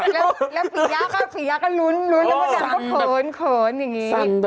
แล้วฝียาก็ลุ้นแล้วพ่อดังก็เขินอย่างนี้